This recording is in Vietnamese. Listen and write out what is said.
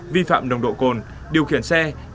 vi phạm nồng độ cồn điều khiển xe trong cơ thể có chất ma túy